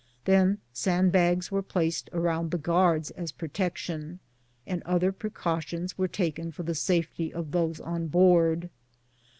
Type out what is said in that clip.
Then sand bags were placed around the guards as protection, and other precautions taken for the safety of those on board.